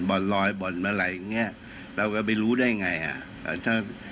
บ่อนลอยบ่อนอะไรอย่างเงี้ยเราก็ไม่รู้ได้ไงอ่ะ